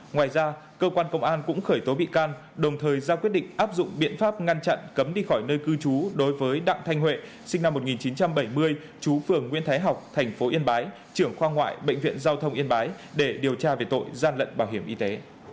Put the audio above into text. ngoài ra cơ quan công an cũng khởi tố bị can đồng thời ra quyết định áp dụng biện pháp ngăn chặn cấm đi khỏi nơi cư trú đối với đặng thanh huệ sinh năm một nghìn chín trăm bảy mươi chú phường nguyễn thái học tp yên bái trưởng khoa ngoại bệnh viện giao thông yên bái để điều tra về tội gian lận bảo hiểm y tế